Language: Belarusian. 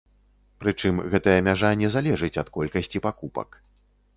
Прычым гэтая мяжа не залежыць ад колькасці пакупак.